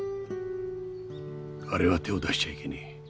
あれは手を出しちゃいけねえ。